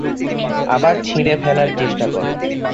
আবার ছিঁড়ে ফেলার চেষ্টা করো।